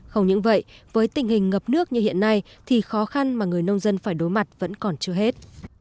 không những vậy với tình hình ngập nước như hiện nay thì khó khăn mà người nông dân phải đối mặt vẫn còn chưa hết